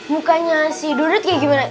mukanya si dunut kayak gimana